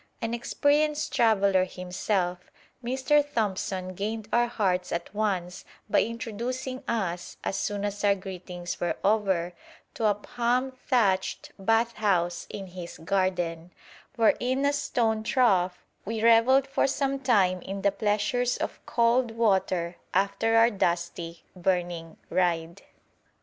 An experienced traveller himself, Mr. Thompson gained our hearts at once by introducing us, as soon as our greetings were over, to a palm thatched bathhouse in his garden, where in a stone trough we revelled for some time in the pleasures of cold water after our dusty, burning ride.